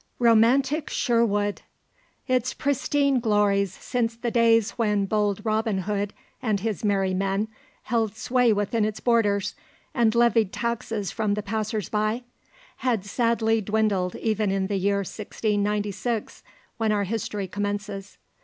Romantic Sherwood! Its pristine glories since the days when bold Robin Hood and his merrie men held sway within its borders, and levied taxes from the passers by, had sadly dwindled even in the year 1696, when our history commences.